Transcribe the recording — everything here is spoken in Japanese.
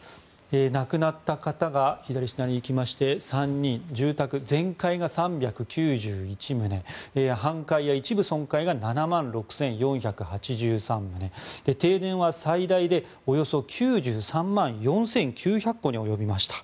亡くなった方が３人住宅全壊が３９１棟半壊や一部損壊が７万６４８３棟停電は最大でおよそ９３万４９００戸に及びました。